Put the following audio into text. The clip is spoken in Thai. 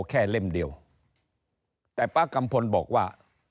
ให้เราแค่เล่มเดียวแต่ป้ากัมพลบอกว่า